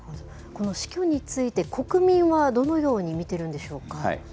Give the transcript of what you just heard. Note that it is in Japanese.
この死去について、国民はどのように見てるんでしょうか。